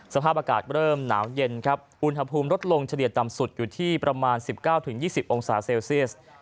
สภาพอากาศเริ่มหนาวเย็นครับอุณหภูมิลดลงเฉลี่ยต่ำสุดอยู่ที่ประมาณ๑๙๒๐องศาเซลเซียส